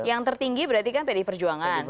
yang tertinggi berarti kan pdi perjuangan